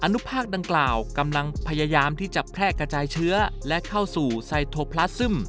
นุภาคดังกล่าวกำลังพยายามที่จะแพร่กระจายเชื้อและเข้าสู่ไซโทพลาสซึม